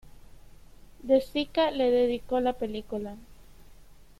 De Sica le dedicó la película.